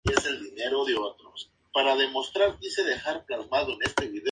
La respuesta a los incendios se funda en sus consecuencias ecológicas, sociales y legales.